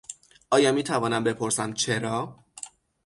آیا میتوانم بپرسم چرا؟